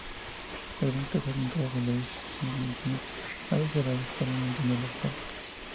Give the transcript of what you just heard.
Las ventanas orientadas al oeste se mantienen a veces cerradas para mantenerlos fuera.